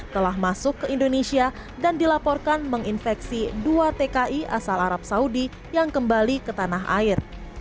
telah masuk ke indonesia dan dilaporkan menginfeksi dua tki asal arab saudi yang kembali ke tanah air